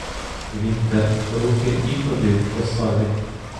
Він тер руки і ходив по салі.